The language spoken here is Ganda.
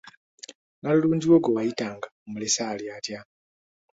Nalulungi wo gwe wayitanga omulesse ali atya?